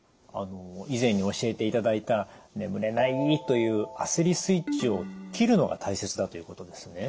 以前に教えていただいた「眠れない」という焦りスイッチを切るのが大切だということですね。